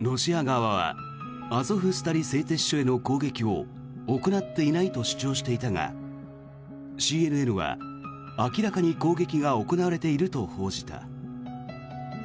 ロシア側はアゾフスタリ製鉄所への攻撃を行っていないと主張していたがＣＮＮは、明らかに攻撃が行われていると報じた。